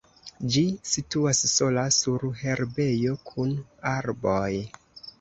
Ĝi situas sola sur herbejo kun arboj.